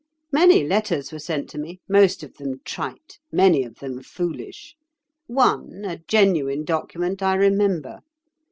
Many letters were sent to me—most of them trite, many of them foolish. One, a genuine document, I remember.